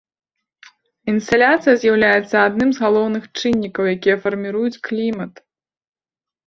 Інсаляцыя з'яўляецца адным з галоўных чыннікаў, якія фарміруюць клімат.